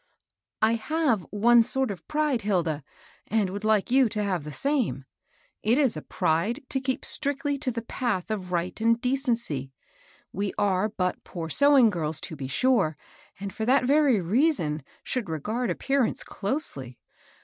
''^^ I have one sort of pride, Hilda, and would like you to have the same : it is a pride to keep strictly to the path of right and decency. We are. but poor sewing girls, to be sure, and for that very rea son should regard appearance closely.